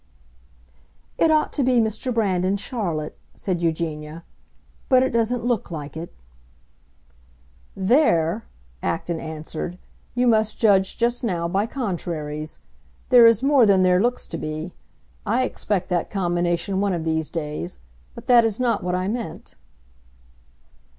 "It ought to be Mr. Brand and Charlotte," said Eugenia, "but it doesn't look like it." "There," Acton answered, "you must judge just now by contraries. There is more than there looks to be. I expect that combination one of these days; but that is not what I meant."